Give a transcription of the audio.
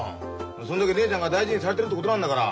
そんだけ姉ちゃんが大事にされてるってことなんだから。